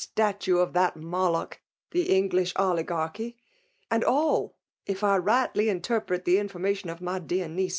statue of thatMo^ loch, the English Oligarchy; and all, if I rightly interpret the information of my dear nijece.